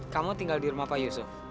kamu tinggal di rumah pak yusuf